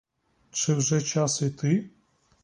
Чи вже час іти?